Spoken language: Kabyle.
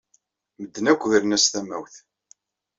Medden akk gren-as tamawt.